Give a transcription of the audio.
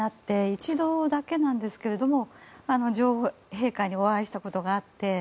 一度だけなんですけども女王陛下にお会いしたことがあって。